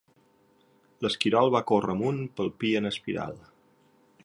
L'esquirol va córrer amunt pel pi en espiral.